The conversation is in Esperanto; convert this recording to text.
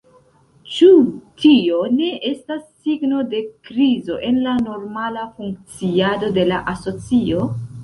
Ĉu tio ne estas signo de krizo en la normala funkciado de la asocio?